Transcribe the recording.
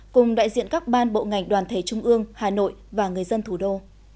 cùng đại diện các ban bộ ngành đoàn thể trung ương hà nội và người dân thủ đô